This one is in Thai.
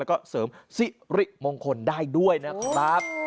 แล้วก็เสริมสิริมงคลได้ด้วยนะครับ